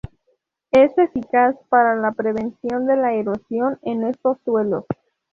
Es eficaz para la prevención de la erosión en estos suelos.